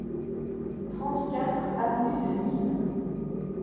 trente-quatre avenue de Nîmes